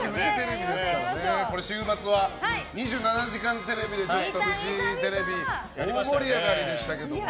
週末は「２７時間テレビ」でフジテレビ大盛り上がりでしたけども。